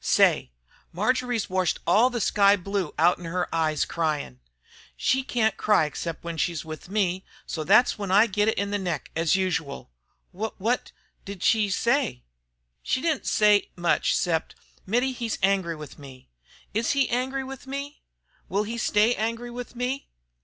Say, Marjory's washed all the sky blue out 'en her eyes cryin'. She can't cry except when she's with me, so thet's how I git it in the neck, as usual." "W what did she s say?" "She don't say much 'cept, 'Mittie, he's angry with me. Is he angry with me? Will he stay angry with me?'